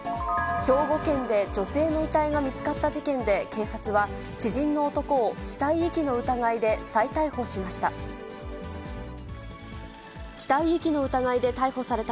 兵庫県で女性の遺体が見つかった事件で警察は、知人の男を死体遺棄の疑いで再逮捕しました。